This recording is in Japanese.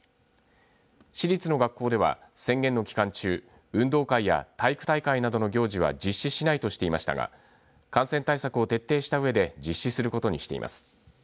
市立の学校では、宣言の期間中運動会や体育大会などの行事は実施しないとしていましたが感染対策を徹底したうえで実施することにしています。